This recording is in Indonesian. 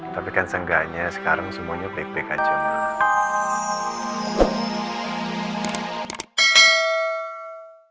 tapi kan seenggaknya sekarang semuanya baik baik aja mbak